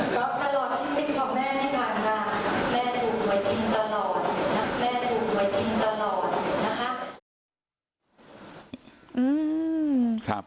ก็ตลอดชีวิตของแม่ในทางด้านแม่ทุนไว้กินตลอดแม่ทุนไว้กินตลอดนะคะ